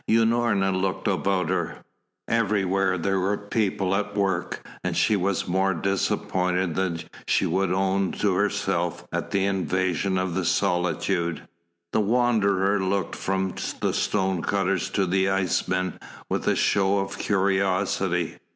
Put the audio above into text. Unorna looked about her. Everywhere there were people at work, and she was more disappointed than she would own to herself at the invasion of the solitude. The Wanderer looked from the stone cutters to the ice men with a show of curiosity.